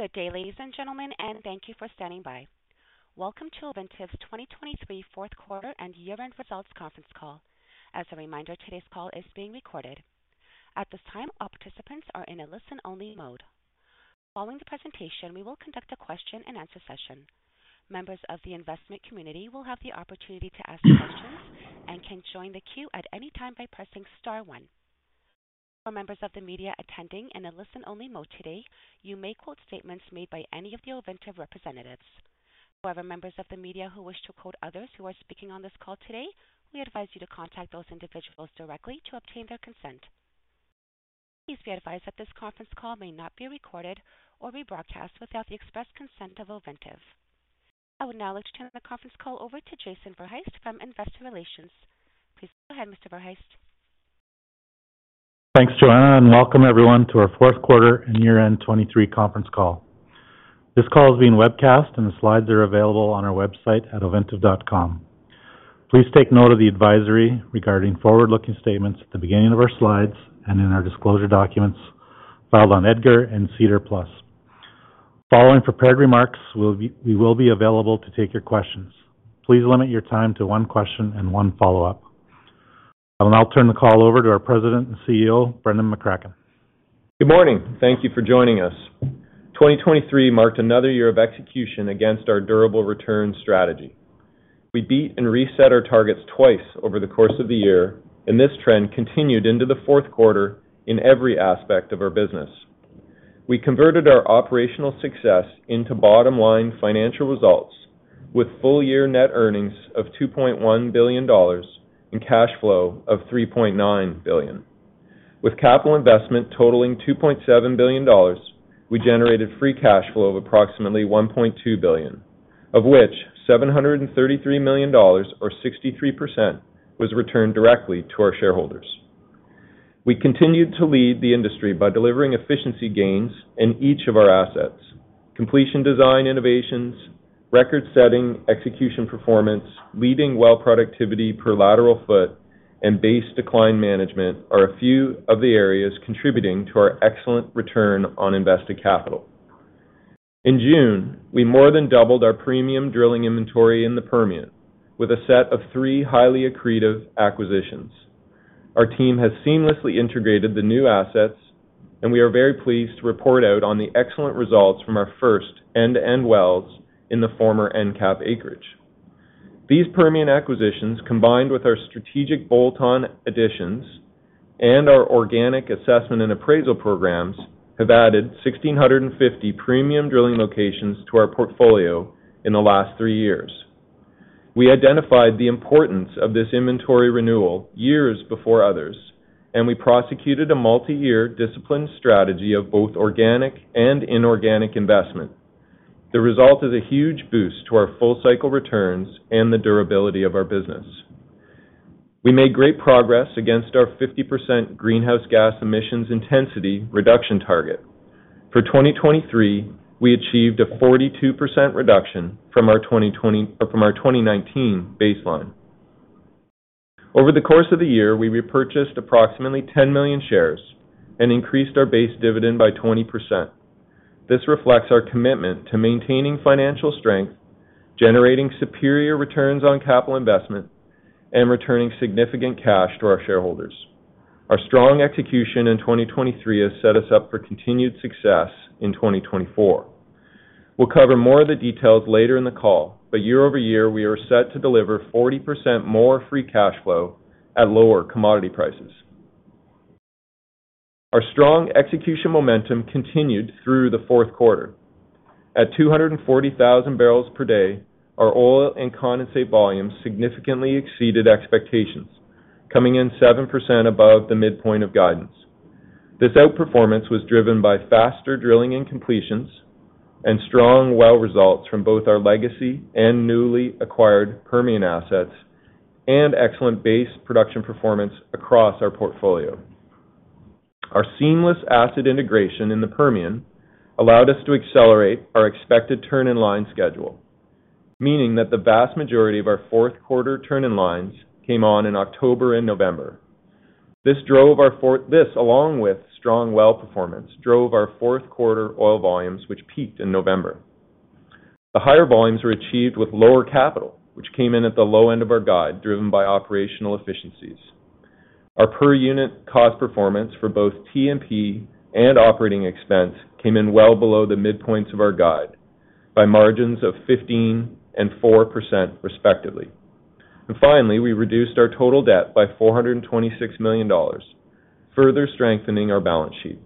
Good day, ladies and gentlemen, and thank you for standing by. Welcome to Ovintiv's 2023 Fourth Quarter and Year-end Results Conference Call. As a reminder, today's call is being recorded. At this time, all participants are in a listen-only mode. Following the presentation, we will conduct a question-and-answer session. Members of the investment community will have the opportunity to ask questions and can join the queue at any time by pressing star one. For members of the media attending in a listen-only mode today, you may quote statements made by any of the Ovintiv representatives. However, members of the media who wish to quote others who are speaking on this call today, we advise you to contact those individuals directly to obtain their consent. Please be advised that this conference call may not be recorded or rebroadcast without the express consent of Ovintiv. I would now like to turn the conference call over to Jason Verhaest from Investor Relations. Please go ahead, Mr. Verhaest. Thanks, Joanna, and welcome everyone to our Fourth Quarter and Year-end 2023 Conference Call. This call is being webcast, and the slides are available on our website at ovintiv.com. Please take note of the advisory regarding forward-looking statements at the beginning of our slides and in our disclosure documents filed on EDGAR and SEDAR+. Following prepared remarks, we will be available to take your questions. Please limit your time to one question and one follow-up. I will now turn the call over to our President and CEO, Brendan McCracken. Good morning. Thank you for joining us. 2023 marked another year of execution against our durable return strategy. We beat and reset our targets twice over the course of the year, and this trend continued into the fourth quarter in every aspect of our business. We converted our operational success into bottom-line financial results with full-year net earnings of $2.1 billion and cash flow of $3.9 billion. With capital investment totaling $2.7 billion, we generated free cash flow of approximately $1.2 billion, of which $733 million or 63% was returned directly to our shareholders. We continued to lead the industry by delivering efficiency gains in each of our assets. Completion design innovations, record-setting execution performance, leading well productivity per lateral foot, and base decline management are a few of the areas contributing to our excellent return on invested capital. In June, we more than doubled our premium drilling inventory in the Permian with a set of three highly accretive acquisitions. Our team has seamlessly integrated the new assets, and we are very pleased to report out on the excellent results from our first end-to-end wells in the former EnCap acreage. These Permian acquisitions, combined with our strategic bolt-on additions and our organic assessment and appraisal programs, have added 1,650 premium drilling locations to our portfolio in the last three years. We identified the importance of this inventory renewal years before others, and we prosecuted a multi-year disciplined strategy of both organic and inorganic investment. The result is a huge boost to our full-cycle returns and the durability of our business. We made great progress against our 50% greenhouse gas emissions intensity reduction target. For 2023, we achieved a 42% reduction from our 2019 baseline. Over the course of the year, we repurchased approximately 10 million shares and increased our base dividend by 20%. This reflects our commitment to maintaining financial strength, generating superior returns on capital investment, and returning significant cash to our shareholders. Our strong execution in 2023 has set us up for continued success in 2024. We'll cover more of the details later in the call, but year-over-year, we are set to deliver 40% more free cash flow at lower commodity prices. Our strong execution momentum continued through the fourth quarter. At 240,000 barrels per day, our oil and condensate volumes significantly exceeded expectations, coming in 7% above the midpoint of guidance. This outperformance was driven by faster drilling and completions and strong well results from both our legacy and newly acquired Permian assets and excellent base production performance across our portfolio. Our seamless asset integration in the Permian allowed us to accelerate our expected turn-in-line schedule, meaning that the vast majority of our fourth-quarter turn-in-lines came on in October and November. This, along with strong well performance, drove our fourth-quarter oil volumes, which peaked in November. The higher volumes were achieved with lower capital, which came in at the low end of our guide, driven by operational efficiencies. Our per-unit cost performane for both T&P and operating expense came in well below the midpoints of our guide by margins of 15% and 4%, respectively. And finally, we reduced our total debt by $426 million, further strengthening our balance sheet.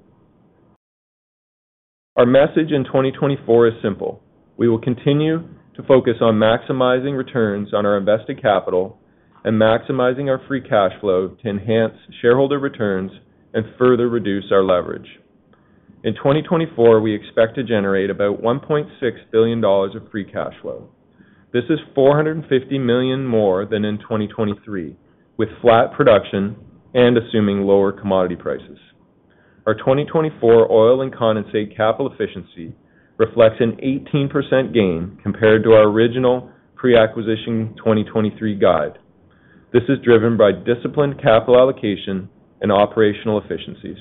Our message in 2024 is simple: We will continue to focus on maximizing returns on our invested capital and maximizing our free cash flow to enhance shareholder returns and further reduce our leverage. In 2024, we expect to generate about $1.6 billion of free cash flow. This is $450 million more than in 2023, with flat production and assuming lower commodity prices. Our 2024 oil and condensate capital efficiency reflects an 18% gain compared to our original pre-acquisition 2023 guide. This is driven by disciplined capital allocation and operational efficiencies.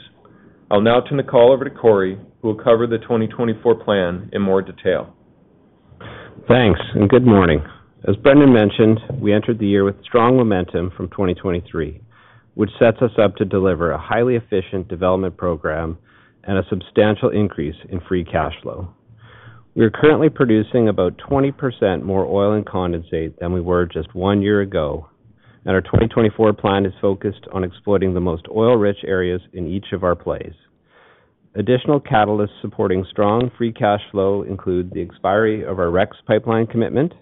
I'll now turn the call over to Corey, who will cover the 2024 plan in more detail. Thanks, and good morning. As Brendan mentioned, we entered the year with strong momentum from 2023, which sets us up to deliver a highly efficient development program and a substantial increase in free cash flow. We are currently producing about 20% more oil and condensate than we were just one year ago, and our 2024 plan is focused on exploiting the most oil-rich areas in each of our plays. Additional catalysts supporting strong free cash flow include the expiry of our REX pipeline commitment,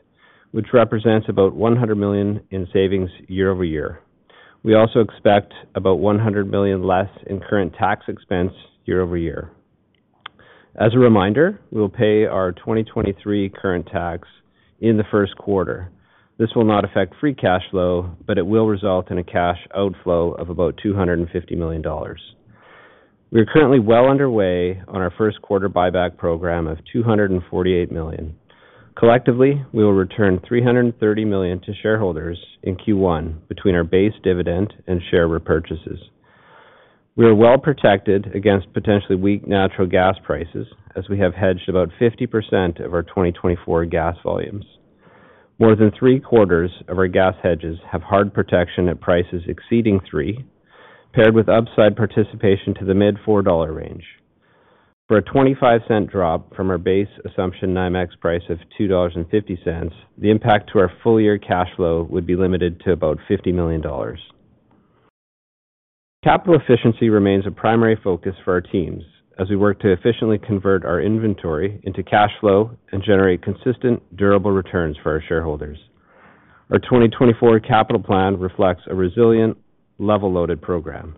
which represents about $100 million in savings year-over-year. We also expect about $100 million less in current tax expense year-over-year. As a reminder, we'll pay our 2023 current tax in the first quarter. This will not affect free cash flow, but it will result in a cash outflow of about $250 million. We are currently well underway on our first quarter buyback program of $248 million. Collectively, we will return $330 million to shareholders in Q1 between our base dividend and share repurchases. We are well protected against potentially weak natural gas prices, as we have hedged about 50% of our 2024 gas volumes. More than three-quarters of our gas hedges have hard protection at prices exceeding $3, paired with upside participation to the mid-$4 range. For a $0.25 drop from our base assumption, NYMEX price of $2.50, the impact to our full year cash flow would be limited to about $50 million. Capital efficiency remains a primary focus for our teams as we work to efficiently convert our inventory into cash flow and generate consistent, durable returns for our shareholders. Our 2024 capital plan reflects a resilient level-loaded program.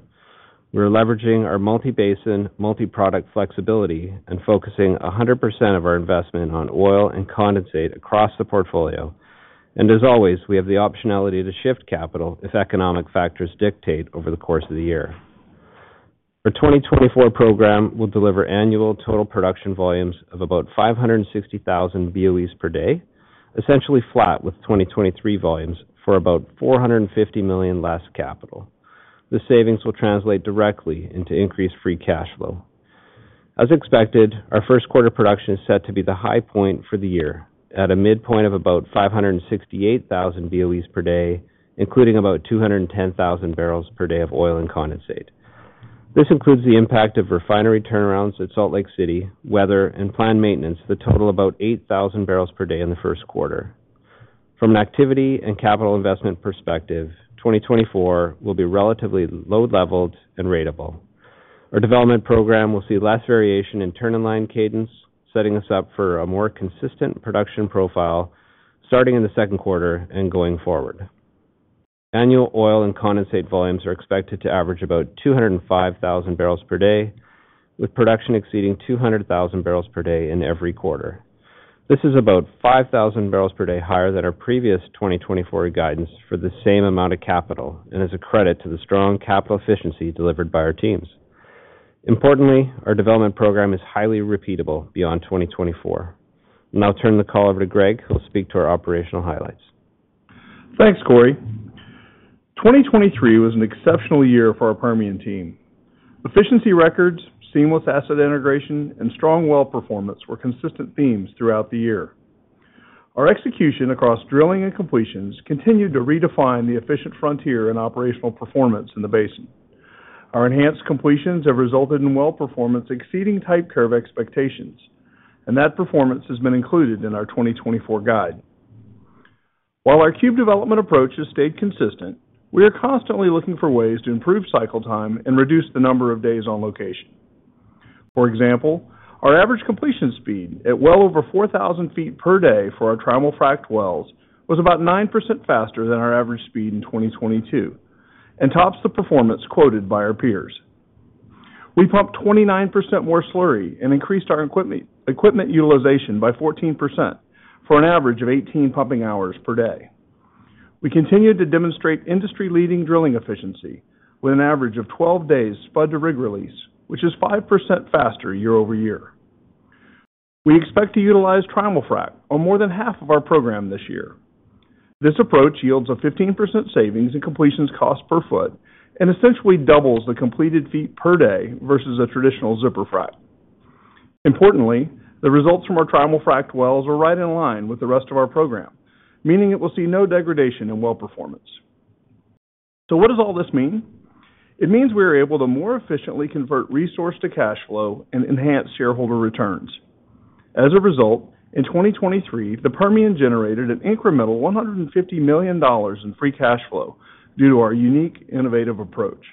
We're leveraging our multi-basin, multi-product flexibility and focusing 100% of our investment on oil and condensate across the portfolio, and as always, we have the optionality to shift capital if economic factors dictate over the course of the year. Our 2024 program will deliver annual total production volumes of about 560,000 BOEs per day, essentially flat with 2023 volumes for about $450 million less capital. The savings will translate directly into increased free cash flow. As expected, our first quarter production is set to be the high point for the year at a midpoint of about 568,000 BOEs per day, including about 210,000 barrels per day of oil and condensate. This includes the impact of refinery turnarounds at Salt Lake City, weather, and planned maintenance that total about 8,000 barrels per day in the first quarter. From an activity and capital investment perspective, 2024 will be relatively load-leveled and ratable. Our development program will see less variation in turn-in-line cadence, setting us up for a more consistent production profile, starting in the second quarter and going forward. Annual oil and condensate volumes are expected to average about 205,000 barrels per day, with production exceeding 200,000 barrels per day in every quarter. This is about 5,000 barrels per day higher than our previous 2024 guidance for the same amount of capital and is a credit to the strong capital efficiency delivered by our teams. Importantly, our development program is highly repeatable beyond 2024. I'll now turn the call over to Greg, who'll speak to our operational highlights. Thanks, Corey. 2023 was an exceptional year for our Permian team. Efficiency records, seamless asset integration, and strong well performance were consistent themes throughout the year. Our execution across drilling and completions continued to redefine the efficient frontier and operational performance in the basin. Our enhanced completions have resulted in well performance exceeding type curve expectations, and that performance has been included in our 2024 guide. While our cube development approach has stayed consistent, we are constantly looking for ways to improve cycle time and reduce the number of days on location. For example, our average completion speed at well over 4,000 ft per day for our Trimulfrac wells, was about 9% faster than our average speed in 2022 and tops the performance quoted by our peers. We pumped 29% more slurry and increased our equipment, equipment utilization by 14% for an average of 18 pumping hours per day. We continued to demonstrate industry-leading drilling efficiency with an average of 12 days spud to rig release, which is 5% faster year-over-year. We expect to utilize Trimulfrac on more than half of our program this year. This approach yields a 15% savings in completions cost per foot and essentially doubles the completed feet per day versus a traditional zipper frac. Importantly, the results from our Trimulfrac wells are right in line with the rest of our program, meaning it will see no degradation in well performance. So what does all this mean? It means we are able to more efficiently convert resource to cash flow and enhance shareholder returns. As a result, in 2023, the Permian generated an incremental $150 million in free cash flow due to our unique, innovative approach.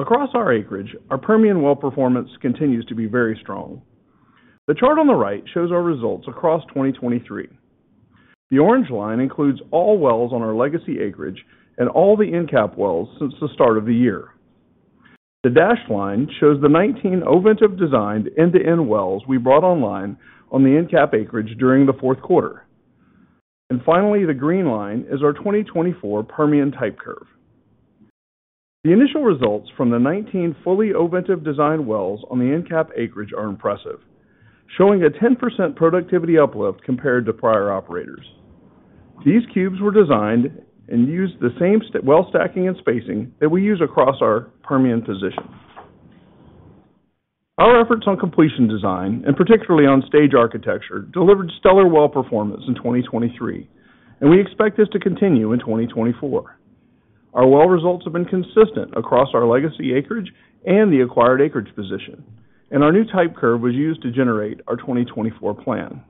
Across our acreage, our Permian well performance continues to be very strong. The chart on the right shows our results across 2023. The orange line includes all wells on our legacy acreage and all the EnCap wells since the start of the year. The dashed line shows the 19 Ovintiv-designed end-to-end wells we brought online on the EnCap acreage during the fourth quarter. And finally, the green line is our 2024 Permian type curve. The initial results from the 19 fully Ovintiv-designed wells on the EnCap acreage are impressive, showing a 10% productivity uplift compared to prior operators. These cubes were designed and used the same well stacking and spacing that we use across our Permian position. Our efforts on completion design, and particularly on stage architecture, delivered stellar well performance in 2023, and we expect this to continue in 2024. Our well results have been consistent across our legacy acreage and the acquired acreage position, and our new type curve was used to generate our 2024 plan.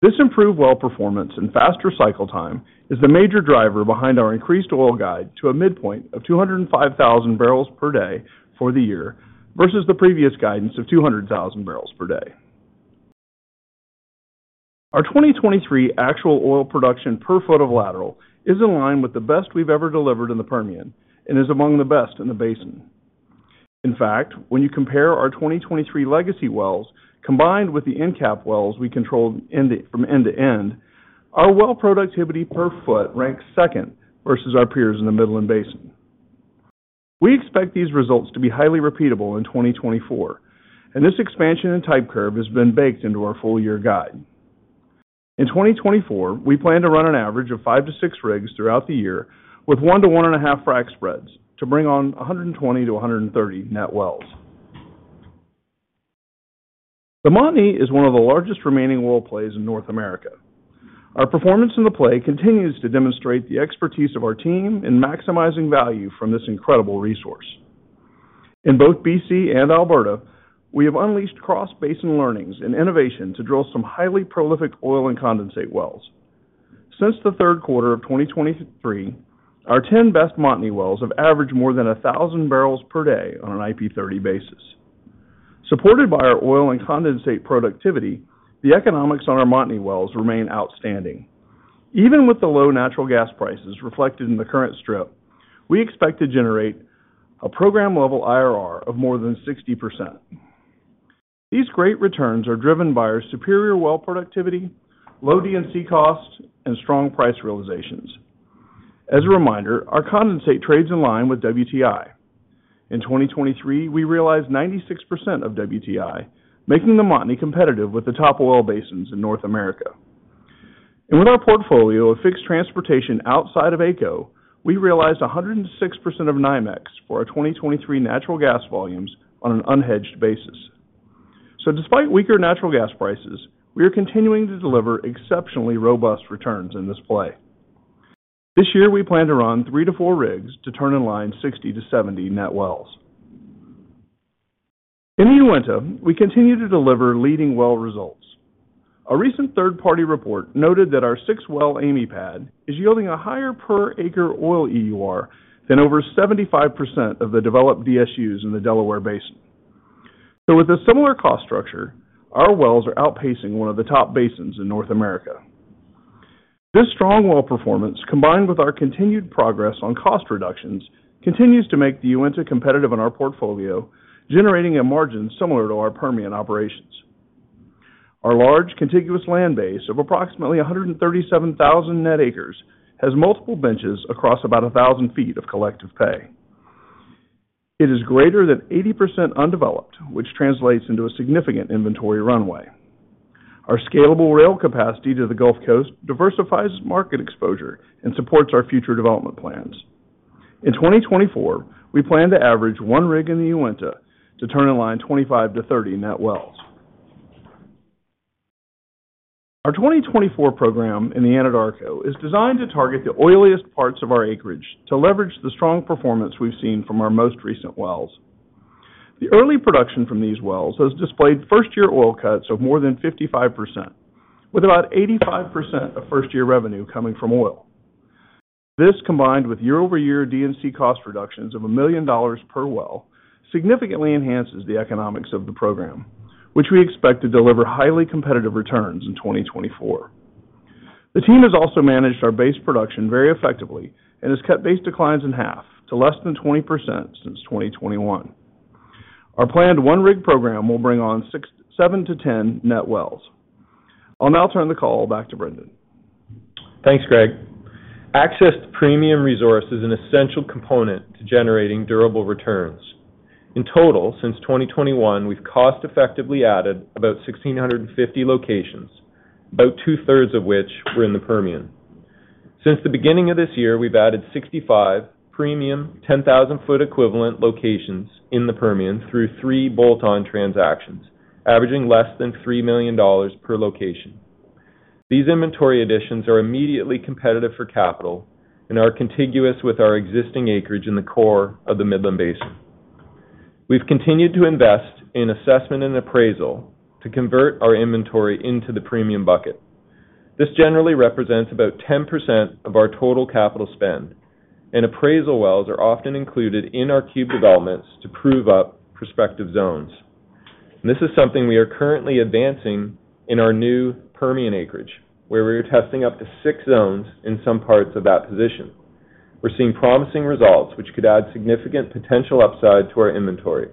This improved well performance and faster cycle time is the major driver behind our increased oil guide to a midpoint of 205,000 barrels per day for the year, versus the previous guidance of 200,000 barrels per day. Our 2023 actual oil production per foot of lateral is in line with the best we've ever delivered in the Permian and is among the best in the basin. In fact, when you compare our 2023 legacy wells, combined with the EnCap wells we control from end-to-end, our well productivity per foot ranks second versus our peers in the Midland Basin. We expect these results to be highly repeatable in 2024, and this expansion and type curve has been baked into our full-year guide. In 2024, we plan to run an average of 5-6 rigs throughout the year, with 1-1.5 frac spreads to bring on 120-130 net wells. The Montney is one of the largest remaining oil plays in North America. Our performance in the play continues to demonstrate the expertise of our team in maximizing value from this incredible resource. In both BC and Alberta, we have unleashed cross-basin learnings and innovation to drill some highly prolific oil and condensate wells. Since the third quarter of 2023, our 10 best Montney wells have averaged more than 1,000 barrels per day on an IP30 basis. Supported by our oil and condensate productivity, the economics on our Montney wells remain outstanding. Even with the low natural gas prices reflected in the current strip, we expect to generate a program-level IRR of more than 60%. These great returns are driven by our superior well productivity, low D&C costs, and strong price realizations. As a reminder, our condensate trades in line with WTI. In 2023, we realized 96% of WTI, making the Montney competitive with the top oil basins in North America. With our portfolio of fixed transportation outside of AECO, we realized 106% of NYMEX for our 2023 natural gas volumes on an unhedged basis. So despite weaker natural gas prices, we are continuing to deliver exceptionally robust returns in this play. This year, we plan to run 3-4 rigs to turn in line 60-70 net wells. In the Uinta, we continue to deliver leading well results. A recent third-party report noted that our 6-well Amy pad is yielding a higher per acre oil EUR than over 75% of the developed DSUs in the Delaware Basin. So with a similar cost structure, our wells are outpacing one of the top basins in North America. This strong well performance, combined with our continued progress on cost reductions, continues to make the Uinta competitive in our portfolio, generating a margin similar to our Permian operations. Our large contiguous land base of approximately 137,000 net acres, has multiple benches across about 1,000 ft of collective pay. It is greater than 80% undeveloped, which translates into a significant inventory runway. Our scalable rail capacity to the Gulf Coast diversifies market exposure and supports our future development plans. In 2024, we plan to average one rig in the Uinta to turn in line 25-30 net wells. Our 2024 program in the Anadarko is designed to target the oiliest parts of our acreage to leverage the strong performance we've seen from our most recent wells. The early production from these wells has displayed first-year oil cuts of more than 55%, with about 85% of first-year revenue coming from oil. This, combined with year-over-year D&C cost reductions of $1 million per well, significantly enhances the economics of the program, which we expect to deliver highly competitive returns in 2024. The team has also managed our base production very effectively and has cut base declines in half to less than 20% since 2021. Our planned one-rig program will bring on 7-10 net wells. I'll now turn the call back to Brendan. Thanks, Greg. Access to premium resource is an essential component to generating durable returns. In total, since 2021, we've cost effectively added about 1,650 locations, about 2/3 of which were in the Permian. Since the beginning of this year, we've added 65 premium, 10,000 ft equivalent locations in the Permian through three bolt-on transactions, averaging less than $3 million per location. These inventory additions are immediately competitive for capital and are contiguous with our existing acreage in the core of the Midland Basin. We've continued to invest in assessment and appraisal to convert our inventory into the premium bucket. This generally represents about 10% of our total capital spend, and appraisal wells are often included in our cube developments to prove up prospective zones. This is something we are currently advancing in our new Permian acreage, where we are testing up to six zones in some parts of that position. We're seeing promising results, which could add significant potential upside to our inventory.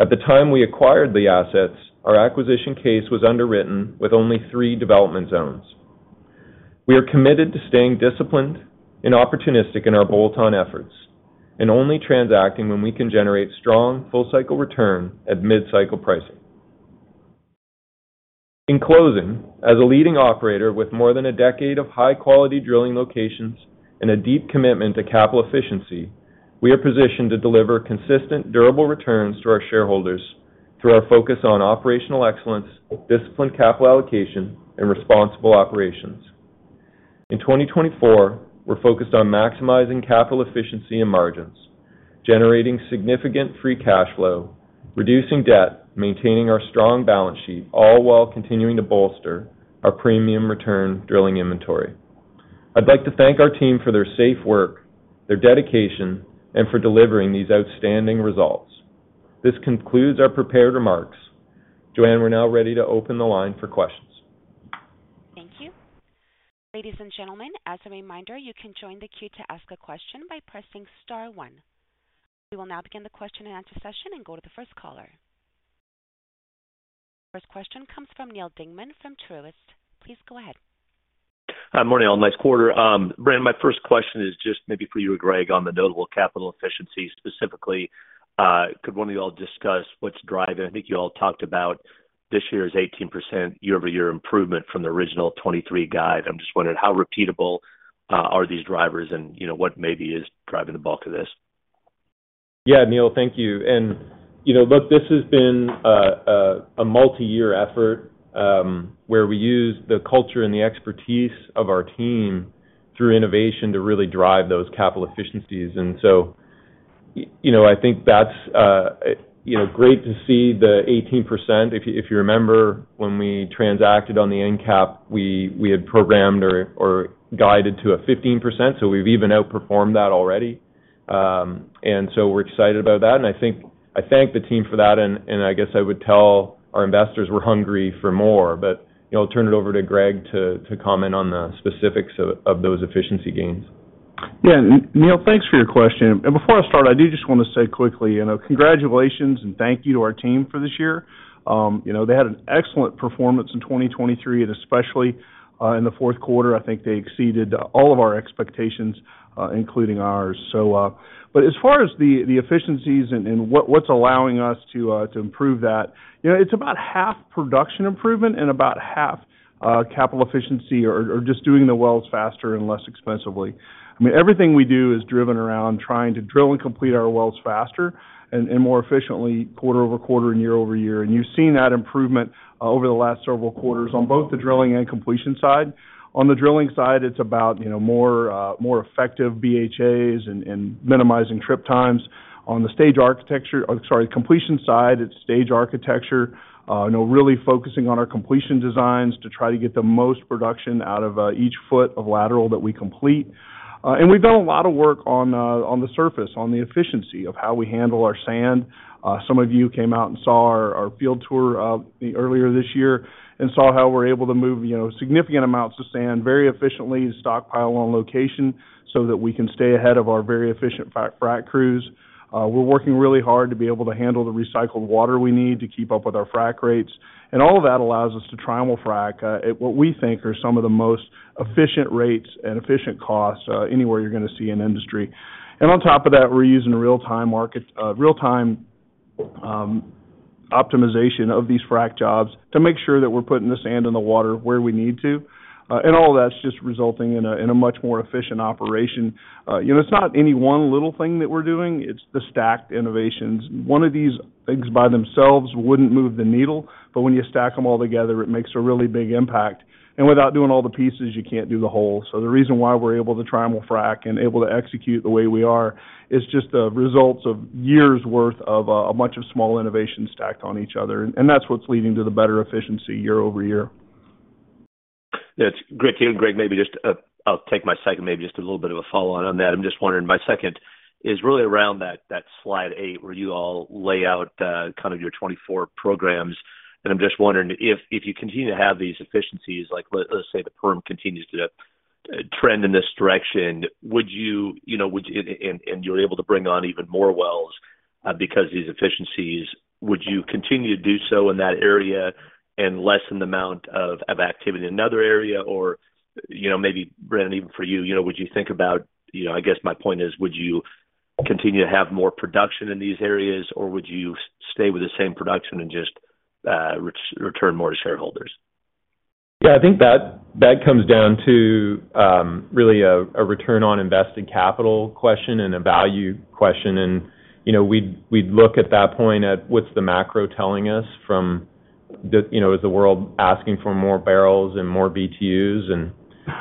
At the time we acquired the assets, our acquisition case was underwritten with only three development zones. We are committed to staying disciplined and opportunistic in our bolt-on efforts, and only transacting when we can generate strong full-cycle return at mid-cycle pricing. In closing, as a leading operator with more than a decade of high-quality drilling locations and a deep commitment to capital efficiency, we are positioned to deliver consistent, durable returns to our shareholders through our focus on operational excellence, disciplined capital allocation, and responsible operations. In 2024, we're focused on maximizing capital efficiency and margins, generating significant free cash flow, reducing debt, maintaining our strong balance sheet, all while continuing to bolster our premium return drilling inventory. I'd like to thank our team for their safe work, their dedication, and for delivering these outstanding results. This concludes our prepared remarks. Joanna, we're now ready to open the line for questions. Thank you. Ladies and gentlemen, as a reminder, you can join the queue to ask a question by pressing star one. We will now begin the question-and-answer session and go to the first caller. First question comes from Neal Dingmann from Truist. Please go ahead. Hi, morning, all. Nice quarter. Brendan, my first question is just maybe for you or Greg on the notable capital efficiency. Specifically, could one of you all discuss what's driving? I think you all talked about this year's 18% year-over-year improvement from the original 2023 guide. I'm just wondering, how repeatable are these drivers, and, you know, what maybe is driving the bulk of this? Yeah, Neal, thank you. And, you know, look, this has been a multiyear effort, where we use the culture and the expertise of our team through innovation to really drive those capital efficiencies. And so, you know, I think that's, you know, great to see the 18%. If you, if you remember when we transacted on the EnCap, we, we had programmed or, or guided to a 15%, so we've even outperformed that already. And so we're excited about that, and I think, I thank the team for that, and, and I guess I would tell our investors we're hungry for more. But, you know, I'll turn it over to Greg to, to comment on the specifics of, of those efficiency gains. Yeah. Neal, thanks for your question. And before I start, I do just wanna say quickly, you know, congratulations and thank you to our team for this year. You know, they had an excellent performance in 2023, and especially in the fourth quarter, I think they exceeded all of our expectations, including ours. So, but as far as the efficiencies and what's allowing us to improve that, you know, it's about half production improvement and about half capital efficiency or just doing the wells faster and less expensively. I mean, everything we do is driven around trying to drill and complete our wells faster and more efficiently quarter-over-quarter and year-over-year. And you've seen that improvement over the last several quarters on both the drilling and completion side. On the drilling side, it's about, you know, more effective BHAs and minimizing trip times. On the stage architecture, sorry, completion side, it's stage architecture, you know, really focusing on our completion designs to try to get the most production out of each foot of lateral that we complete. And we've done a lot of work on the surface, on the efficiency of how we handle our sand. Some of you came out and saw our field tour earlier this year and saw how we're able to move, you know, significant amounts of sand very efficiently and stockpile on location so that we can stay ahead of our very efficient frac crews. We're working really hard to be able to handle the recycled water we need to keep up with our frac rates, and all of that allows us to Trimulfrac at what we think are some of the most efficient rates and efficient costs anywhere you're gonna see in industry. And on top of that, we're using a real-time optimization of these frac jobs to make sure that we're putting the sand in the water where we need to. And all of that's just resulting in a much more efficient operation. You know, it's not any one little thing that we're doing, it's the stacked innovations. One of these things by themselves wouldn't move the needle, but when you stack them all together, it makes a really big impact. Without doing all the pieces, you can't do the whole. So the reason why we're able to Trimulfrac and able to execute the way we are is just the results of years' worth of a bunch of small innovations stacked on each other, and that's what's leading to the better efficiency year-over-year. Yeah, it's great to hear, Greg, maybe just, I'll take my second, maybe just a little bit of a follow-on on that. I'm just wondering, my second is really around that, that slide eight, where you all lay out, kind of your 24 programs, and I'm just wondering if, if you continue to have these efficiencies, like, let's say, the Permian continues to, trend in this direction, would you, you know. And, and you're able to bring on even more wells, because of these efficiencies, would you continue to do so in that area and lessen the amount of, of activity in another area? Or, you know, maybe, Brendan, even for you, you know, would you think about, you know, I guess my point is: Would you continue to have more production in these areas, or would you stay with the same production and just return more to shareholders? Yeah, I think that comes down to really a return on investing capital question and a value question. And, you know, we'd look at that point at what's the macro telling us from the. You know, is the world asking for more barrels and more BTUs? And,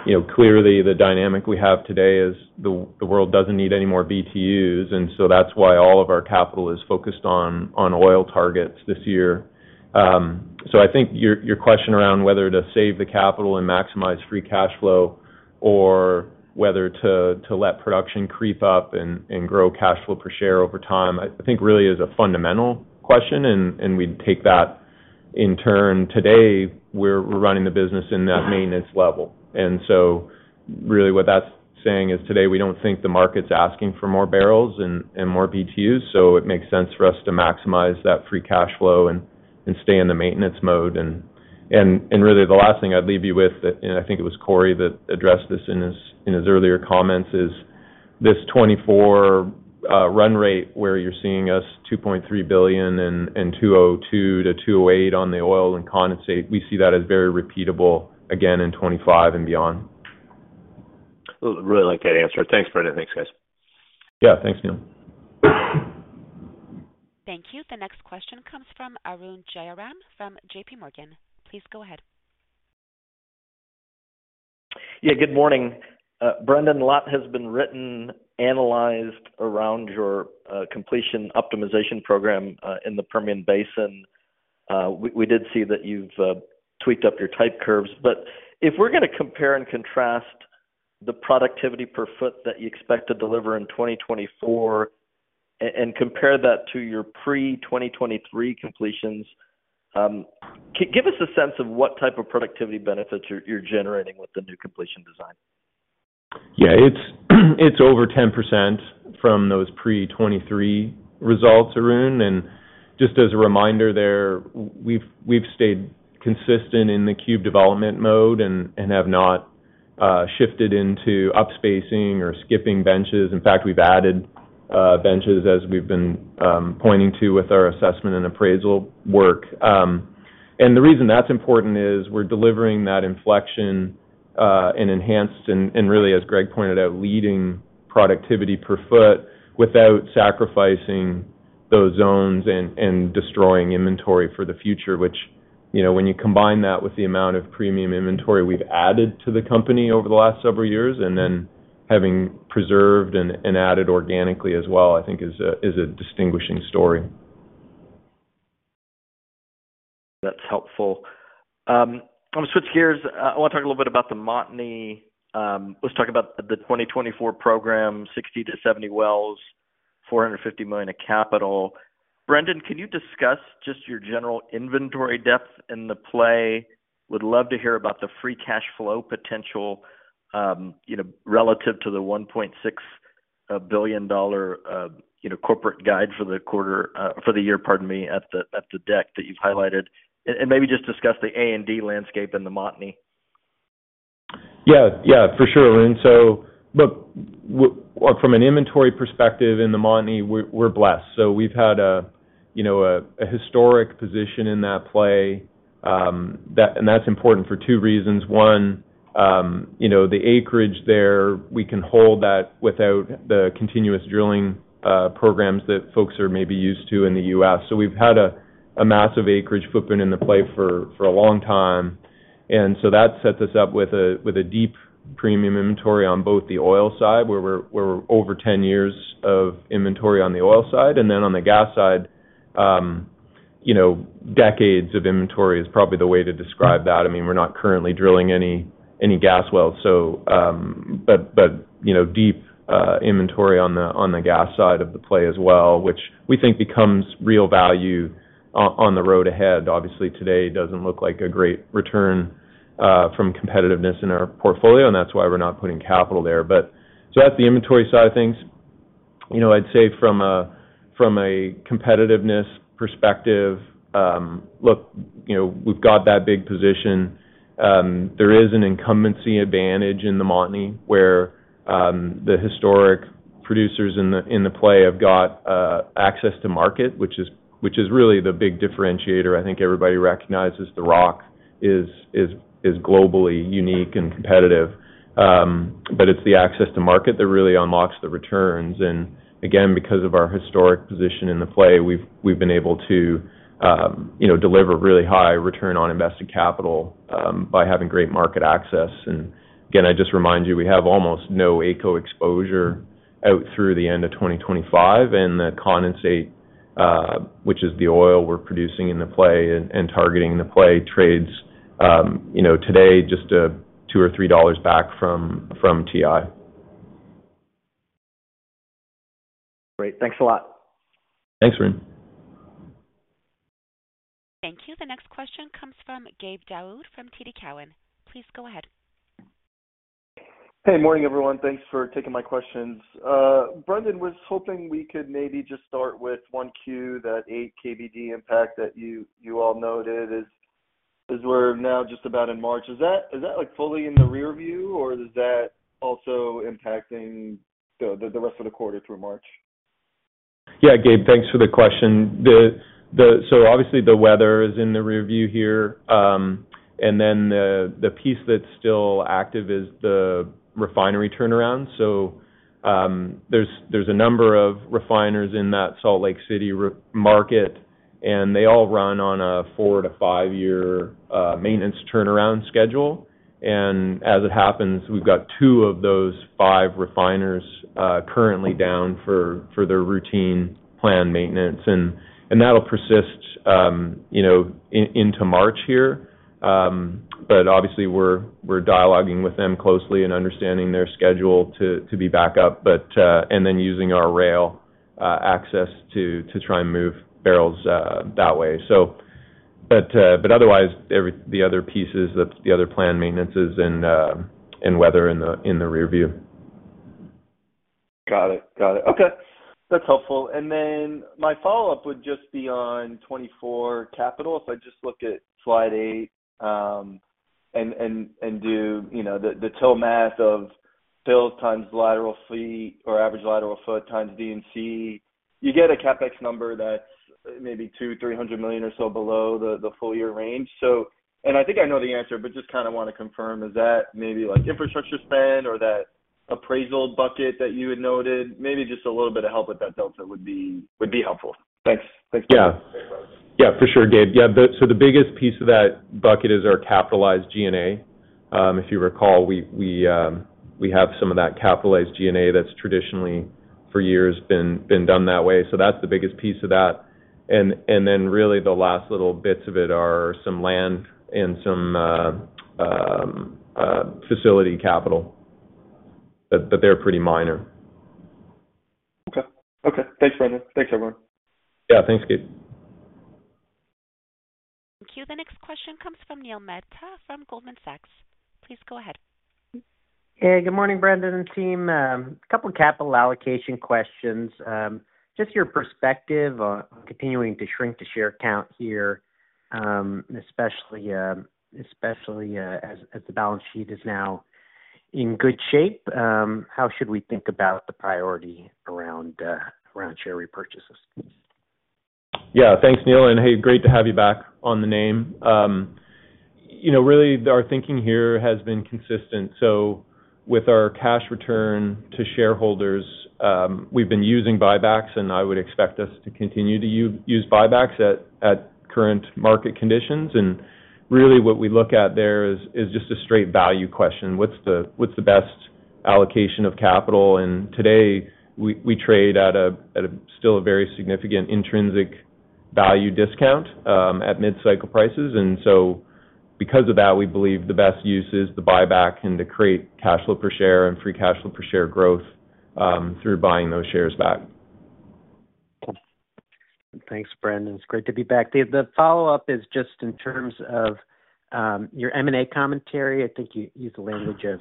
you know, clearly, the dynamic we have today is the world doesn't need any more BTUs, and so that's why all of our capital is focused on oil targets this year. So I think your question around whether to save the capital and maximize free cash flow or whether to let production creep up and grow cash flow per share over time, I think really is a fundamental question, and we'd take that. In turn, today, we're running the business in that maintenance level. And, so, really what that's saying is today we don't think the market's asking for more barrels and more BTUs, so it makes sense for us to maximize that free cash flow and stay in the maintenance mode. Really, the last thing I'd leave you with, and I think it was Corey that addressed this in his earlier comments, is this 2024 run rate, where you're seeing us $2.3 billion and 202-208 on the oil and condensate; we see that as very repeatable again in 2025 and beyond. Really like that answer. Thanks, Brendan. Thanks, guys. Yeah, thanks, Neal. Thank you. The next question comes from Arun Jayaram from JPMorgan. Please go ahead. Yeah, good morning. Brendan, a lot has been written, analyzed around your completion optimization program in the Permian Basin. We did see that you've tweaked up your type curves, but if we're gonna compare and contrast the productivity per foot that you expect to deliver in 2024 and compare that to your pre-2023 completions, can give us a sense of what type of productivity benefits you're generating with the new completion design. Yeah, it's over 10% from those pre-2023 results, Arun. And just as a reminder there, we've stayed consistent in the cube development mode and have not shifted into upspacing or skipping benches. In fact, we've added benches as we've been pointing to with our assessment and appraisal work. And the reason that's important is, we're delivering that inflection and enhanced and really, as Greg pointed out, leading productivity per foot without sacrificing those zones and destroying inventory for the future, which, you know, when you combine that with the amount of premium inventory we've added to the company over the last several years, and then having preserved and added organically as well, I think is a distinguishing story. That's helpful. I want to switch gears. I want to talk a little bit about the Montney. Let's talk about the 2024 program, 60-70 wells, $450 million of capital. Brendan, can you discuss just your general inventory depth in the play? Would love to hear about the free cash flow potential, you know, relative to the $1.6, billion, you know, corporate guide for the quarter, for the year, pardon me, at the deck that you've highlighted. And maybe just discuss the A&D landscape in the Montney. Yeah, yeah, for sure, Arun. So look, from an inventory perspective in the Montney, we're blessed. So we've had a, you know, historic position in that play, that. And that's important for two reasons. One, you know, the acreage there, we can hold that without the continuous drilling programs that folks are maybe used to in the U.S. So we've had a massive acreage footprint in the play for a long time, and so that sets us up with a deep premium inventory on both the oil side, where we're over 10 years of inventory on the oil side, and then on the gas side, you know, decades of inventory is probably the way to describe that. I mean, we're not currently drilling any gas wells, so, but, you know, deep inventory on the gas side of the play as well, which we think becomes real value on the road ahead. Obviously, today doesn't look like a great return from competitiveness in our portfolio, and that's why we're not putting capital there. But, so that's the inventory side of things. You know, I'd say from a competitiveness perspective, look, you know, we've got that big position. There is an incumbency advantage in the Montney, where the historic producers in the play have got access to market, which is really the big differentiator. I think everybody recognizes the rock is globally unique and competitive, but it's the access to market that really unlocks the returns. And again, because of our historic position in the play, we've been able to, you know, deliver really high return on invested capital, by having great market access. And again, I just remind you, we have almost no AECO exposure out through the end of 2025, and the condensate, which is the oil we're producing in the play and targeting the play, trades, you know, today, just $2-$3 back from WTI. Great. Thanks a lot. Thanks, Arun. Thank you. The next question comes from Gabe Daoud from TD Cowen. Please go ahead. Hey, morning, everyone. Thanks for taking my questions. Brendan, was hoping we could maybe just start with 1Q, that 8 KBD impact that you, you all noted, as, as we're now just about in March. Is that, is that, like, fully in the rearview, or is that also impacting the, the, the rest of the quarter through March? Yeah, Gabe, thanks for the question. So obviously the weather is in the rearview here. And then the piece that's still active is the refinery turnaround. There's a number of refiners in that Salt Lake City market, and they all run on a four to five year maintenance turnaround schedule. And as it happens, we've got two of those five refiners currently down for their routine planned maintenance. And that'll persist, you know, into March here. But obviously, we're dialoguing with them closely and understanding their schedule to be back up, but. And then using our rail access to try and move barrels that way. But otherwise, the other pieces, that's the other planned maintenances and weather in the rearview. Got it. Got it. Okay, that's helpful. And then my follow-up would just be on 2024 capital. If I just look at slide eight, and do, you know, the TIL math of TIL times lateral feet or average lateral foot times D&C, you get a CapEx number that's maybe $200 million-$300 million or so below the full year range. So. And I think I know the answer, but just kinda wanna confirm, is that maybe like infrastructure spend or that appraisal bucket that you had noted? Maybe just a little bit of help with that delta would be helpful. Thanks. Thanks. Yeah. Yeah, for sure, Gabe. Yeah, so the biggest piece of that bucket is our capitalized G&A. If you recall, we have some of that capitalized G&A that's traditionally, for years, been done that way. So that's the biggest piece of that. And then really, the last little bits of it are some land and some facility capital, but they're pretty minor. Okay. Okay, thanks, Brendan. Thanks, everyone. Yeah. Thanks, Gabe. Thank you. The next question comes from Neil Mehta from Goldman Sachs. Please go ahead. Hey, good morning, Brendan and team. A couple capital allocation questions. Just your perspective on continuing to shrink the share count here, especially as the balance sheet is now in good shape. How should we think about the priority around share repurchases? Yeah, thanks, Neil, and hey, great to have you back on the name. You know, really, our thinking here has been consistent. So with our cash return to shareholders, we've been using buybacks, and I would expect us to continue to use buybacks at current market conditions. And really, what we look at there is just a straight value question: What's the best allocation of capital? And today, we trade at a still very significant intrinsic value discount at mid-cycle prices. And so because of that, we believe the best use is the buyback and to create cash flow per share and free cash flow per share growth through buying those shares back. Thanks, Brendan. It's great to be back. The follow-up is just in terms of your M&A commentary. I think you used the language of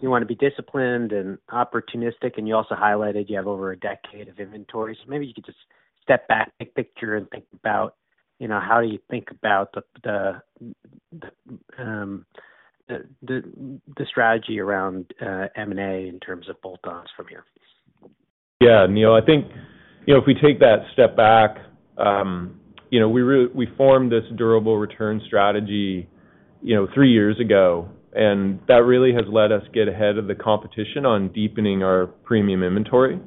you wanna be disciplined and opportunistic, and you also highlighted you have over a decade of inventory. So maybe you could just step back, big picture, and think about, you know, how do you think about the strategy around M&A in terms of bolt-ons from here? Yeah, Neil, I think, you know, if we take that step back, you know, we formed this durable return strategy, you know, three years ago, and that really has let us get ahead of the competition on deepening our premium inventory.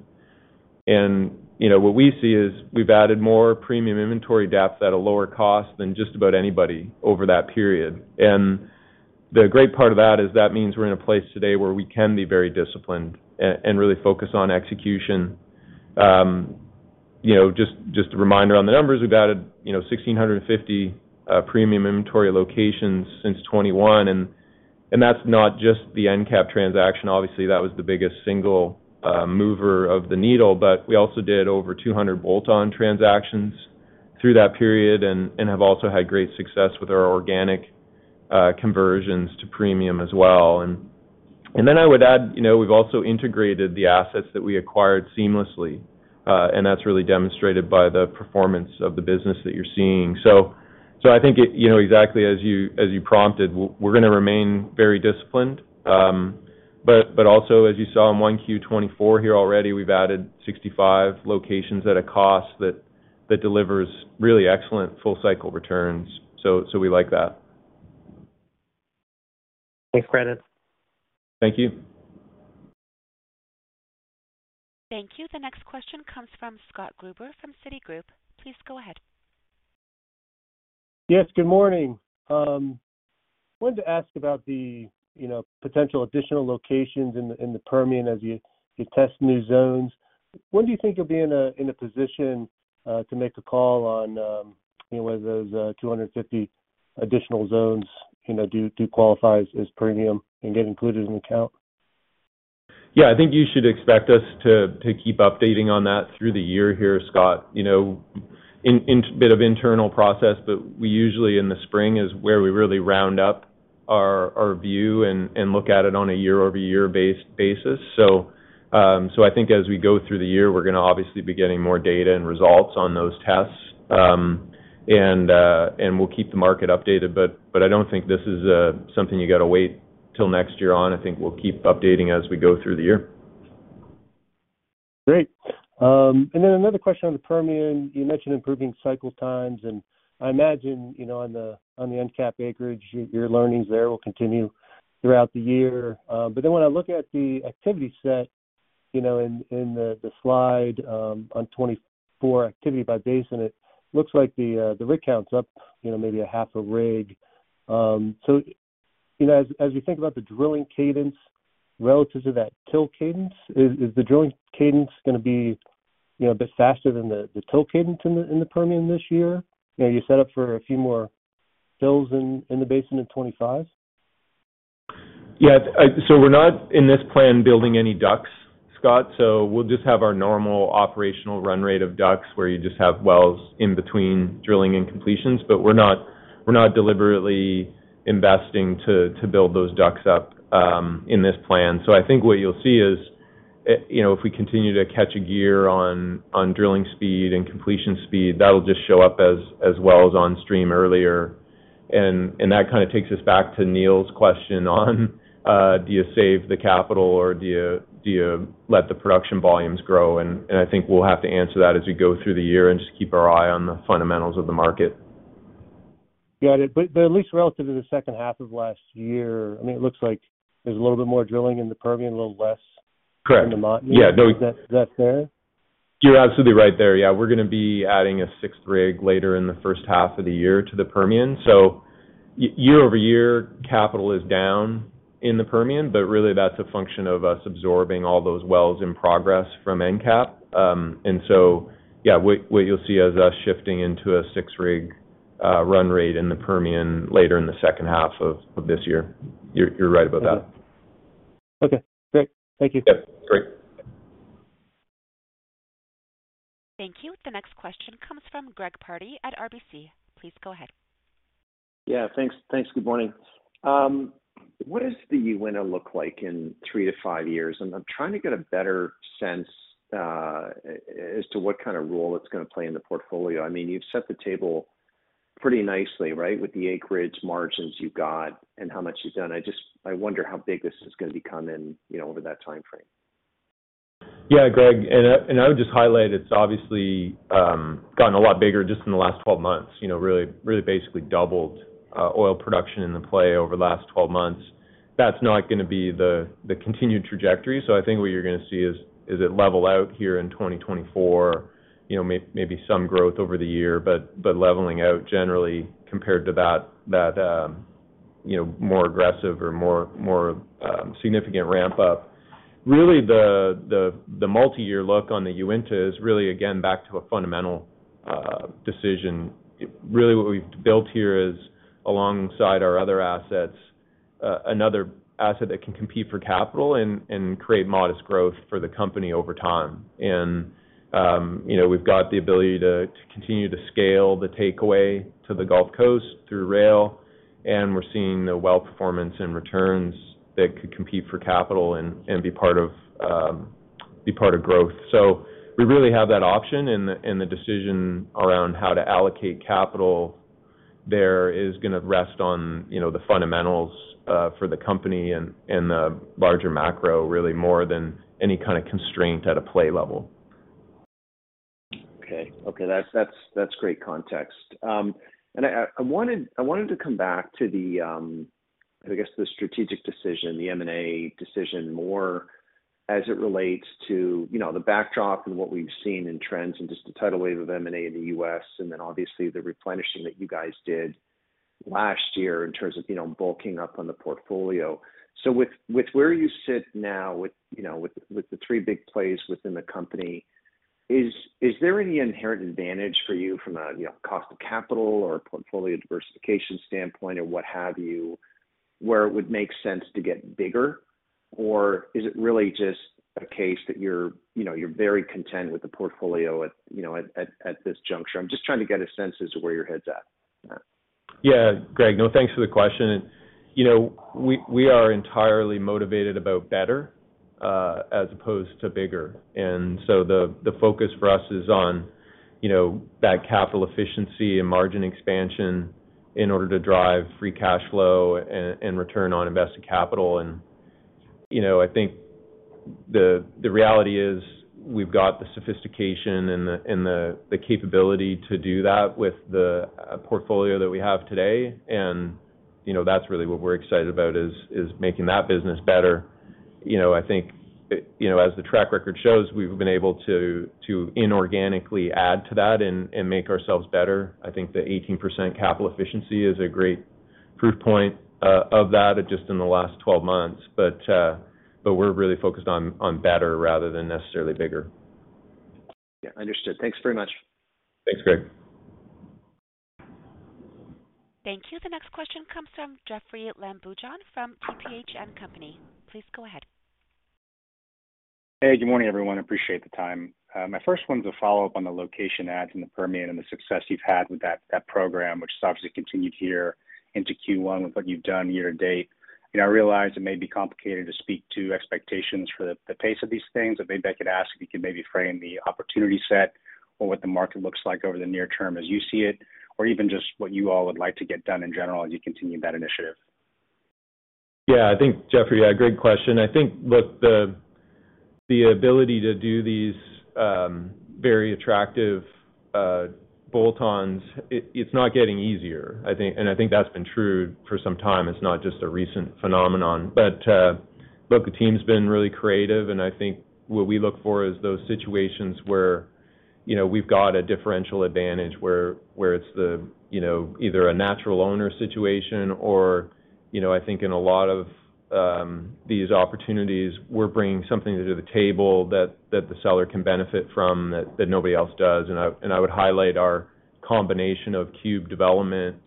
And, you know, what we see is we've added more premium inventory depth at a lower cost than just about anybody over that period. And the great part of that is that means we're in a place today where we can be very disciplined and really focus on execution. You know, just a reminder on the numbers, we've added, you know, 1,650 premium inventory locations since 2021, and that's not just the EnCap transaction. Obviously, that was the biggest single mover of the needle, but we also did over 200 bolt-on transactions through that period and have also had great success with our organic conversions to premium as well. And then I would add, you know, we've also integrated the assets that we acquired seamlessly, and that's really demonstrated by the performance of the business that you're seeing. So I think it, you know, exactly as you prompted, we're gonna remain very disciplined. But also, as you saw in 1Q 2024 here already, we've added 65 locations at a cost that delivers really excellent full-cycle returns. So we like that. Thanks, Brendan. Thank you. Thank you. The next question comes from Scott Gruber from Citigroup. Please go ahead. Yes, good morning. I wanted to ask about the, you know, potential additional locations in the Permian as you test new zones. When do you think you'll be in a position to make a call on, you know, whether those 250 additional zones, you know, do qualify as premium and get included in the count? Yeah, I think you should expect us to, to keep updating on that through the year here, Scott. You know, in a bit of internal process, but we usually in the spring is where we really round up our, our view and, and look at it on a year-over-year basis. So, so I think as we go through the year, we're gonna obviously be getting more data and results on those tests. And, and we'll keep the market updated, but, but I don't think this is, something you got to wait till next year on. I think we'll keep updating as we go through the year. Great. And then another question on the Permian. You mentioned improving cycle times, and I imagine, you know, on the EnCap acreage, your learnings there will continue throughout the year. But then when I look at the activity set, you know, in the slide on 2024 activity by basin, it looks like the rig count's up, you know, maybe half a rig. So, you know, as you think about the drilling cadence relative to that TIL cadence, is the drilling cadence gonna be, you know, a bit faster than the TIL cadence in the Permian this year? You know, you set up for a few more TILs in the basin in 2025? Yeah, so we're not, in this plan, building any DUCs, Scott, so we'll just have our normal operational run rate of DUCs, where you just have wells in between drilling and completions. But we're not, we're not deliberately investing to, to build those DUCs up, in this plan. So I think what you'll see is, you know, if we continue to catch a gear on, on drilling speed and completion speed, that'll just show up as, as wells on stream earlier. And, and that kind of takes us back to Neil's question on, do you save the capital or do you, do you let the production volumes grow? And, and I think we'll have to answer that as we go through the year and just keep our eye on the fundamentals of the market. Got it. But at least relative to the second half of last year, I mean, it looks like there's a little bit more drilling in the Permian, a little less- Correct. In the Montney. Yeah, no. Is that fair? You're absolutely right there. Yeah, we're gonna be adding a sixth rig later in the first half of the year to the Permian. So year-over-year, capital is down in the Permian, but really, that's a function of us absorbing all those wells in progress from EnCap. And so, yeah, what you'll see is us shifting into a six-rig run rate in the Permian later in the second half of this year. You're right about that. Okay, great. Thank you. Yep, great. Thank you. The next question comes from Greg Pardy at RBC. Please go ahead. Yeah, thanks. Thanks. Good morning. What does the Uinta look like in three to five years? I'm trying to get a better sense as to what kind of role it's gonna play in the portfolio. I mean, you've set the table pretty nicely, right, with the acreage margins you've got and how much you've done. I just. I wonder how big this is gonna become in, you know, over that time frame. Yeah, Greg, and I would just highlight, it's obviously gotten a lot bigger just in the last 12 months. You know, really, really basically doubled oil production in the play over the last 12 months. That's not gonna be the continued trajectory, so I think what you're gonna see is it level out here in 2024, you know, maybe some growth over the year, but leveling out generally compared to that you know, more aggressive or more significant ramp up. Really, the multi-year look on the Uinta is really, again, back to a fundamental decision. Really, what we've built here is, alongside our other assets, another asset that can compete for capital and create modest growth for the company over time. And, you know, we've got the ability to continue to scale the takeaway to the Gulf Coast through rail, and we're seeing the well performance and returns that could compete for capital and be part of growth. So we really have that option, and the decision around how to allocate capital there is gonna rest on, you know, the fundamentals for the company and the larger macro, really, more than any kind of constraint at a play level. Okay. Okay, that's great context. And I wanted to come back to the, I guess, the strategic decision, the M&A decision, more as it relates to, you know, the backdrop and what we've seen in trends and just the tidal wave of M&A in the U.S., and then obviously, the replenishing that you guys did last year in terms of, you know, bulking up on the portfolio. So with where you sit now, with, you know, with the three big plays within the company, is there any inherent advantage for you from a, you know, cost of capital or portfolio diversification standpoint or what have you, where it would make sense to get bigger? Or is it really just a case that you're, you know, very content with the portfolio at, you know, at this juncture? I'm just trying to get a sense as to where your head's at. Yeah, Greg, no, thanks for the question. You know, we, we are entirely motivated about better, as opposed to bigger. And so the focus for us is on, you know, that capital efficiency and margin expansion in order to drive free cash flow and return on invested capital. And, you know, I think the reality is, we've got the sophistication and the capability to do that with the portfolio that we have today. And, you know, that's really what we're excited about, is making that business better. You know, I think, you know, as the track record shows, we've been able to inorganically add to that and make ourselves better. I think the 18% capital efficiency is a great proof point of that, just in the last 12 months. But we're really focused on better rather than necessarily bigger. Yeah, understood. Thanks very much. Thanks, Greg. Thank you. The next question comes from Jeoffrey Lambujon from TPH & Company. Please go ahead. Hey, good morning, everyone. Appreciate the time. My first one is a follow-up on the location adds in the Permian and the success you've had with that, that program, which has obviously continued here into Q1 with what you've done year to date. You know, I realize it may be complicated to speak to expectations for the, the pace of these things, but maybe I could ask if you could maybe frame the opportunity set or what the market looks like over the near term as you see it, or even just what you all would like to get done in general, as you continue that initiative. Yeah, I think, Jeoffrey, yeah, great question. I think look, the ability to do these very attractive bolt-ons, it's not getting easier, I think. And I think that's been true for some time. It's not just a recent phenomenon. But look, the team's been really creative, and I think what we look for is those situations where, you know, we've got a differential advantage, where it's the, you know, either a natural owner situation or, you know, I think in a lot of these opportunities, we're bringing something to the table that the seller can benefit from, that nobody else does. And I would highlight our combination of Cube Development,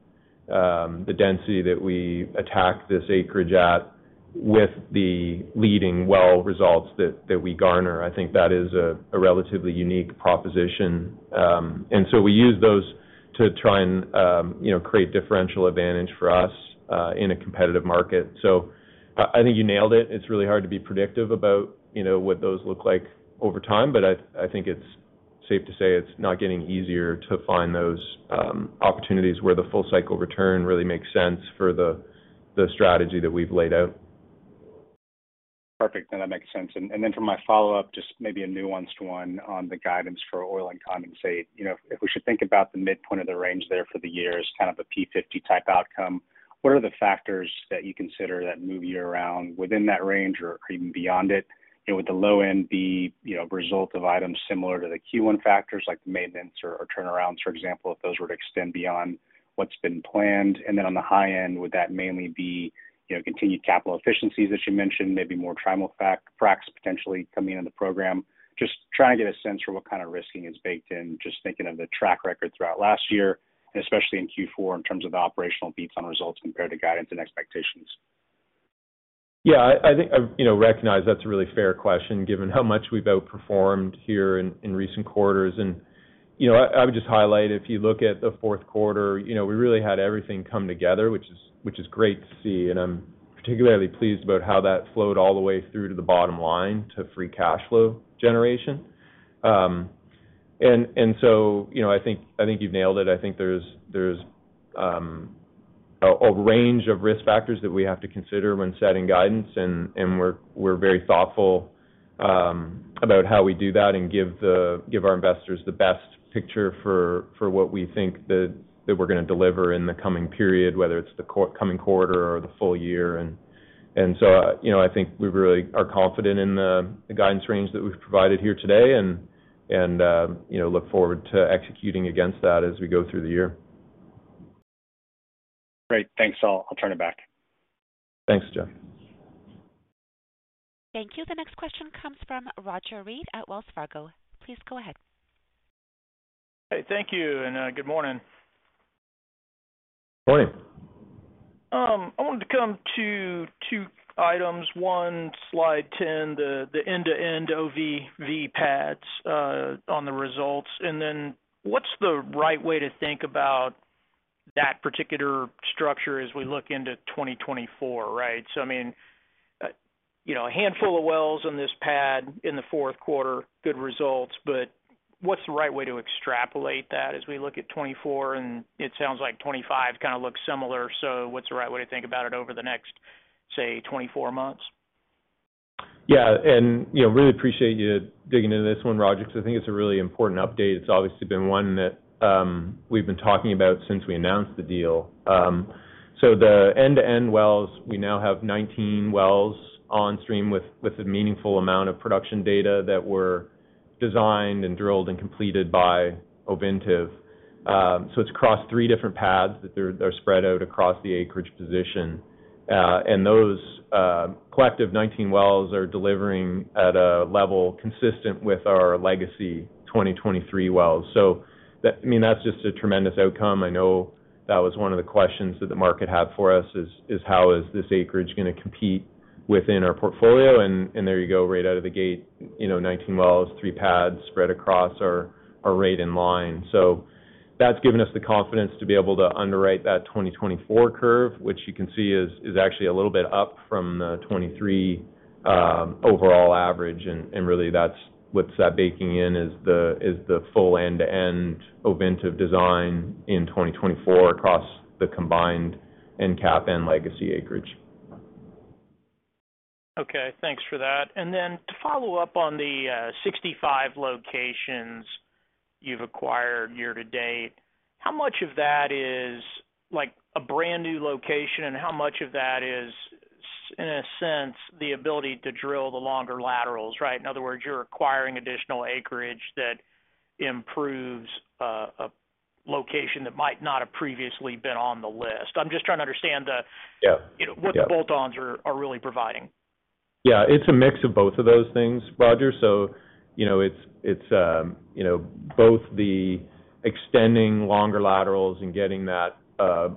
the density that we attack this acreage at with the leading well results that we garner, I think that is a relatively unique proposition. And so we use those to try and, you know, create differential advantage for us, in a competitive market. So I, I think you nailed it. It's really hard to be predictive about, you know, what those look like over time, but I, I think it's safe to say it's not getting easier to find those, opportunities where the full cycle return really makes sense for the, the strategy that we've laid out. Perfect, then that makes sense. And, and then for my follow-up, just maybe a nuanced one on the guidance for oil and condensate. You know, if we should think about the midpoint of the range there for the year as kind of a P50 type outcome, what are the factors that you consider that move you around within that range or even beyond it? And would the low end be, you know, a result of items similar to the Q1 factors like maintenance or, or turnarounds, for example, if those were to extend beyond what's been planned? And then on the high end, would that mainly be, you know, continued capital efficiencies, as you mentioned, maybe more Trimulfracs potentially coming into the program? Just trying to get a sense for what kind of risking is baked in, just thinking of the track record throughout last year, and especially in Q4, in terms of the operational beats on results compared to guidance and expectations. Yeah, I think I, you know, recognize that's a really fair question, given how much we've outperformed here in recent quarters. And, you know, I would just highlight, if you look at the fourth quarter, you know, we really had everything come together, which is great to see, and I'm particularly pleased about how that flowed all the way through to the bottom line, to free cash flow generation. And so, you know, I think you've nailed it. I think there's a range of risk factors that we have to consider when setting guidance, and we're very thoughtful about how we do that and give our investors the best picture for what we think that we're gonna deliver in the coming period, whether it's the coming quarter or the full year. And so, you know, I think we really are confident in the guidance range that we've provided here today and, you know, look forward to executing against that as we go through the year. Great. Thanks. I'll turn it back. Thanks, Jeff. Thank you. The next question comes from Roger Read at Wells Fargo. Please go ahead. Hey, thank you, and good morning. Morning. I wanted to come to two items. One, slide 10, the, the end-to-end OVV pads, on the results. And then, what's the right way to think about that particular structure as we look into 2024, right? So I mean, you know, a handful of wells in this pad in the fourth quarter, good results, but what's the right way to extrapolate that as we look at 2024, and it sounds like 2025 kinda looks similar, so what's the right way to think about it over the next, say, 24 months? Yeah, and, you know, really appreciate you digging into this one, Roger, because I think it's a really important update. It's obviously been one that we've been talking about since we announced the deal. So the end-to-end wells, we now have 19 wells on stream with a meaningful amount of production data that were designed and drilled and completed by Ovintiv. So it's across three different paths that they're spread out across the acreage position. And those collective 19 wells are delivering at a level consistent with our legacy 2023 wells. So that, I mean, that's just a tremendous outcome. I know that was one of the questions that the market had for us is how is this acreage gonna compete within our portfolio? And there you go, right out of the gate, you know, 19 wells, three pads spread across are right in line. So that's given us the confidence to be able to underwrite that 2024 curve, which you can see is actually a little bit up from the 2023 overall average. And really that's what's baking in is the full end-to-end Ovintiv design in 2024 across the combined EnCap and legacy acreage. Okay, thanks for that. And then to follow up on the 65 locations you've acquired year to date, how much of that is like a brand-new location, and how much of that is in a sense, the ability to drill the longer laterals, right? In other words, you're acquiring additional acreage that improves a location that might not have previously been on the list. I'm just trying to understand the- Yeah. you know, what the bolt-ons are really providing. Yeah, it's a mix of both of those things, Roger. So, you know, it's, it's, you know, both the extending longer laterals and getting that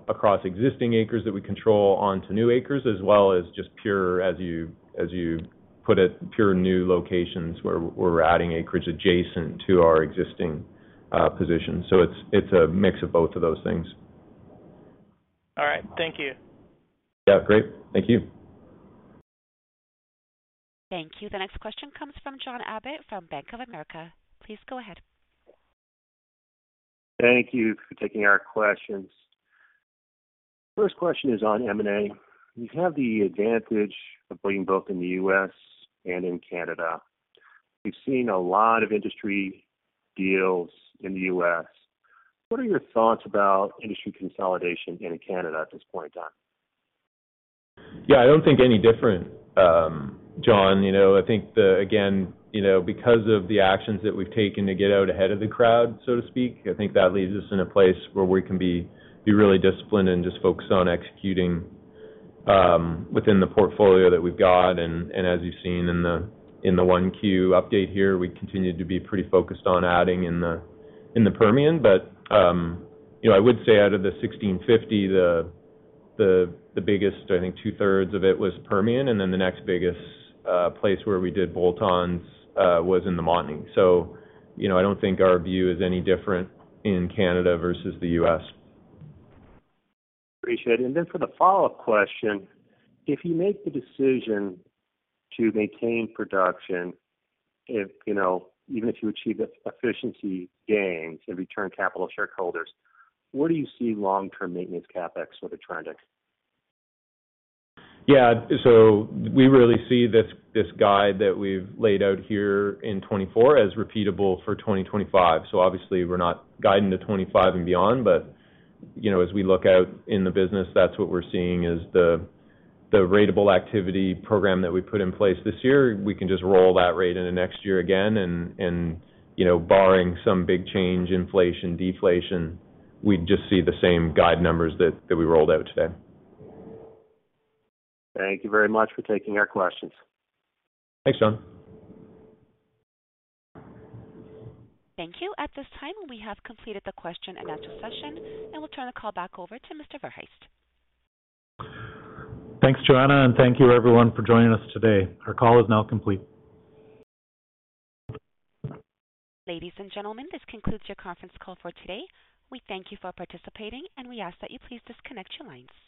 across existing acres that we control onto new acres, as well as just pure, as you, as you put it, pure new locations where we're adding acreage adjacent to our existing position. So it's, it's a mix of both of those things. All right. Thank you. Yeah. Great. Thank you. Thank you. The next question comes from John Abbott from Bank of America. Please go ahead. Thank you for taking our questions. First question is on M&A. You have the advantage of being both in the U.S. and in Canada. We've seen a lot of industry deals in the U.S. What are your thoughts about industry consolidation in Canada at this point in time? Yeah, I don't think any different, John. You know, I think the, again, you know, because of the actions that we've taken to get out ahead of the crowd, so to speak, I think that leaves us in a place where we can be really disciplined and just focused on executing within the portfolio that we've got. And as you've seen in the 1Q update here, we continued to be pretty focused on adding in the Permian. But you know, I would say out of the 1,650, the biggest, I think 2/3 of it was Permian, and then the next biggest place where we did bolt-ons was in the Montney. So, you know, I don't think our view is any different in Canada versus the U.S. Appreciate it. Then for the follow-up question, if you make the decision to maintain production, if, you know, even if you achieve efficiency gains and return capital to shareholders, where do you see long-term maintenance CapEx sort of trending? Yeah, so we really see this, this guide that we've laid out here in 2024 as repeatable for 2025. So obviously, we're not guiding to 2025 and beyond, but, you know, as we look out in the business, that's what we're seeing is the, the ratable activity program that we put in place this year, we can just roll that rate into next year again, and, and, you know, barring some big change, inflation, deflation, we just see the same guide numbers that, that we rolled out today. Thank you very much for taking our questions. Thanks, John. Thank you. At this time, we have completed the question-and-answer session, and we'll turn the call back over to Mr. Verhaest. Thanks, Joanna, and thank you everyone for joining us today. Our call is now complete. Ladies and gentlemen, this concludes your conference call for today. We thank you for participating, and we ask that you please disconnect your lines.